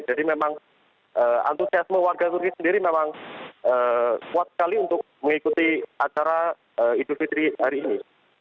jadi memang antusiasme warga turki sendiri memang kuat sekali untuk mengikuti acara idul fitri hari ini